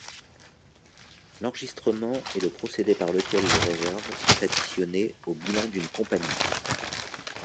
L'enregistrement est le procédé par lequel les réserves sont additionnées au bilan d'une compagnie.